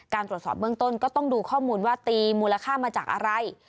ตรวจสอบเบื้องต้นก็ต้องดูข้อมูลว่าตีมูลค่ามาจากอะไร